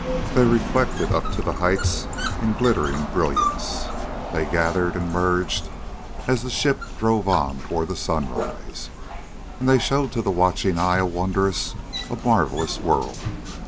They reflected up to the heights in glittering brilliance. They gathered and merged as the ship drove on toward the sunrise, and they showed to the watching eyes a wondrous, a marvelous world.